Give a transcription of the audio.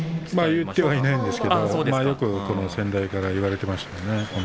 言ってはいないんですけど先代からよく言われましたね。